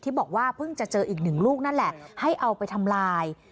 บอกว่าเพิ่งจะเจออีกหนึ่งลูกนั่นแหละให้เอาไปทำลาย